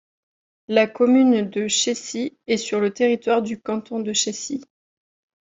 La commune de Chécy est sur le territoire du canton de Chécy.